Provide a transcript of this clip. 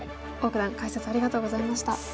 王九段解説ありがとうございました。